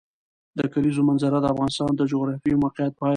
د کلیزو منظره د افغانستان د جغرافیایي موقیعت پایله ده.